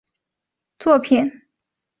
是一部由文乃千创作的漫画作品。